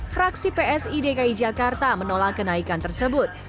fraksi psi dki jakarta menolak kenaikan tersebut